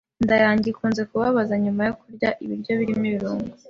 Inda yanjye ikunze kubabaza nyuma yo kurya ibiryo birimo ibirungo.